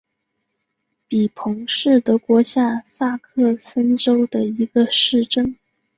比彭是德国下萨克森州的一个市镇。